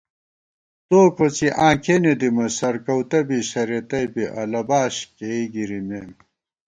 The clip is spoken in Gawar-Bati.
توکوڅی آں کېنےدِمہ سرکَؤتہ بی سرېتَئ بی، اَلہ باش کېئی گِرِمېم